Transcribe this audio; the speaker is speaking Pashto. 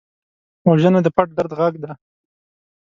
وژنه د پټ درد غږ دی